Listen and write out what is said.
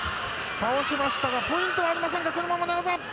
倒しましたがポイントはありませんが、このまま寝技。